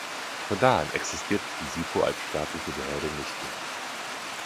Von da an existierte die SiPo als staatliche Behörde nicht mehr.